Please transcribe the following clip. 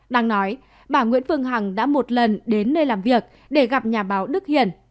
đang nói bà nguyễn phương hằng đã một lần đến nơi làm việc để gặp nhà báo đức hiển